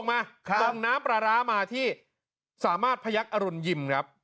มาลงน้ำปลาร้ามาที่สามารถพยักษ์อรุณยิมครับ